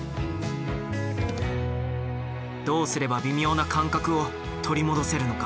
どうすれば微妙な感覚を取り戻せるのか。